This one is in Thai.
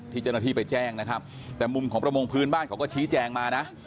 ที่เจ้าหน้าที่ไปแจ้งนะครับแต่มุมของประมงพื้นบ้านเขาก็ชี้แจงมานะ